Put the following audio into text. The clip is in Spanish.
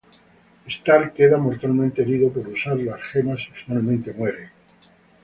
Stark queda mortalmente herido por usar las gemas y finalmente muere.